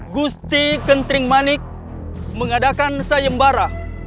gusti kentring manik mengadakan sayembara